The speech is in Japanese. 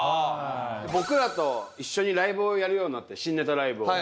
僕らと一緒にライブをやるようになって新ネタライブを。